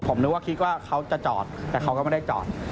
ผมนึกว่าคิดว่าเขาจะจอดแต่เขาก็ไม่ได้จอด